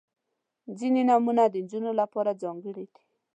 • ځینې نومونه د نجونو لپاره ځانګړي دي.